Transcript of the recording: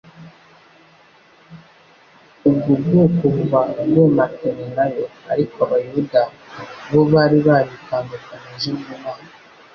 Ubwo bwoko buba bwomatanye na yo. Ariko Abayuda bo bari baritandukanije n'Imana.